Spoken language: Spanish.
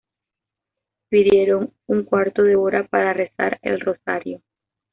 Pidieron un cuarto de hora para rezar el rosario.